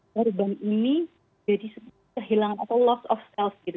korban ini jadi kehilangan atau loss of self gitu